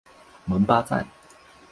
蒙巴赞。